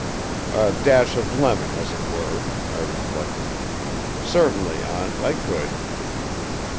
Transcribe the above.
"A dash of lemon, as it were," I reflected. "Certainly, Aunt, I could."